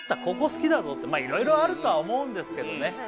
ここ好きだぞって色々あるとは思うんですけどね